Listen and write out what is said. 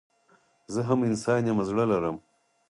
زه هم انسان يم زړه لرم